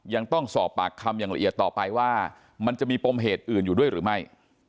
ยังต้องสอบปากคำอย่างละเอียดต่อไปว่ามันจะมีปมเหตุอื่นอยู่ด้วยหรือไม่